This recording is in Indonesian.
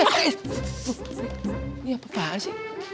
ini apaan sih